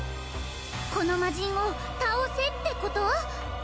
このマジンを倒せってこと？